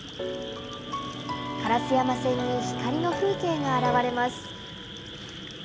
烏山線に光の風景があらわれます。